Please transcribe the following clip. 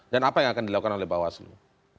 dan apa yang akan dilakukan oleh bawaslu